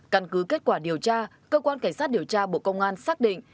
căn cứ kết quả điều tra cơ quan cảnh sát điều tra bộ công an xác định